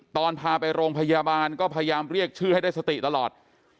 ตอนพาไปโรงพยาบาลก็พยายามเรียกชื่อให้ได้สติตลอด